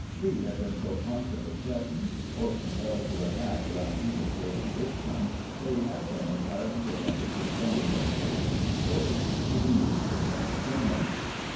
Lee had been so constantly threatened, or compelled to attack around Petersburg and Richmond, that he had been entirely grant's family visit him 283 prevented from sending any forces to Hood to be used against Sherman.